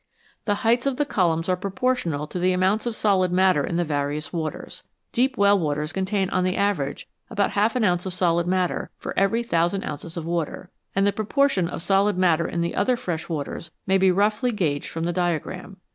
The heights of the columns are proportional to the amounts of solid matter in the various waters. Deep well waters contain on the average about half an ounce of solid matter for every thousand ounces of water, and the proportion of solid matter in the other fresh waters may be roughly gauged from the diagram.